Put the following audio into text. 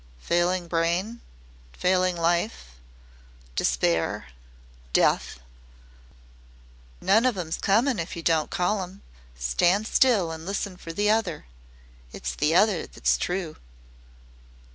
"Failing brain failing life despair death!" "None of 'em's comin' if yer don't call 'em. Stand still an' listen for the other. It's the other that's TRUE."